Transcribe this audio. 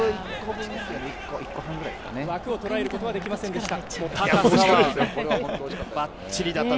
枠を捉えることはできませんでした。